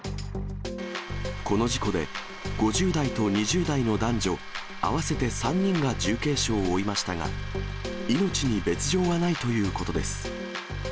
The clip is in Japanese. この事故で５０代と２０代の男女合わせて３人が重軽傷を負いましたが、命に別状はないということです。